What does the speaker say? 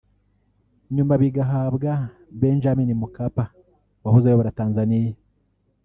nyuma bigahabwa Benjamin Mkapa wahoze ayobora Tanzania